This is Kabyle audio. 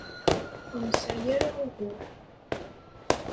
Ur nesɛi ara ugur.